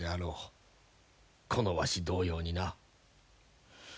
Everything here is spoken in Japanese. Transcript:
このわし同様にな。